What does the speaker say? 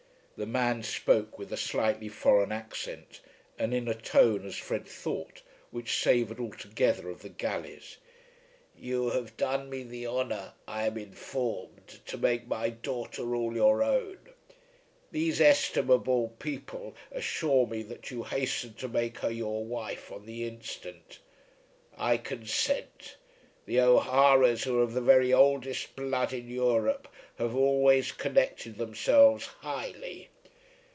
The man spoke with a slightly foreign accent and in a tone, as Fred thought, which savoured altogether of the galleys. "You have done me the honour, I am informed, to make my daughter all your own. These estimable people assure me that you hasten to make her your wife on the instant. I consent. The O'Haras, who are of the very oldest blood in Europe, have always connected themselves highly.